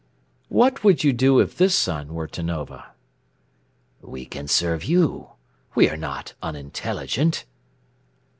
"What would you do if this sun were to nova?" "We can serve you. We are not unintelligent."